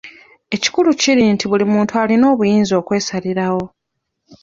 Ekikulu kiri nti buli muntu alina obuyinza okwesalirawo.